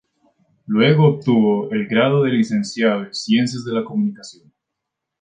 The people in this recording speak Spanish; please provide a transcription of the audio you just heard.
Luego obtuvo el grado de Licenciado en Ciencias de la Comunicación.